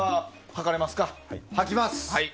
履きます！